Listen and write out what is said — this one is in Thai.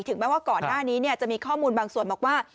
แม้ว่าก่อนหน้านี้จะมีข้อมูลบางส่วนบอกว่า